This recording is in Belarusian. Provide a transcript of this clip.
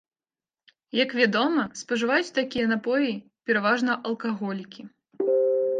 Як вядома, спажываюць такія напоі пераважна алкаголікі.